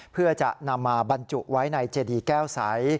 เพื่อจะนำมาบรรจุไว้ในเจดีแก้วใส